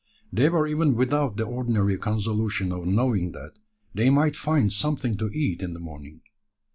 They were even without the ordinary consolation of knowing that they might find something to eat in the morning.